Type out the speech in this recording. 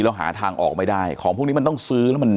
แล้วหาทางออกไม่ได้ของพวกนี้มันต้องซื้อแล้วมัน